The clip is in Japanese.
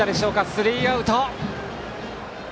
スリーアウト！